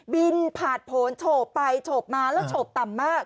บินผ่านผลโฉบไปโฉบมาแล้วโฉบต่ำมาก